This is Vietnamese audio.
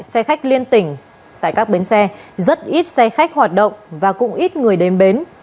xe khách liên tỉnh tại các bến xe rất ít xe khách hoạt động và cũng ít người đến bến